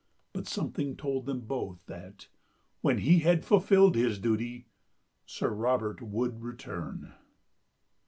But something told them both that, when he had fulfilled his duty, Sir Robert would return